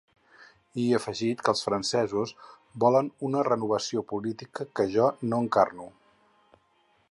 I afegit que els francesos volen una renovació política que ‘jo no encarno’.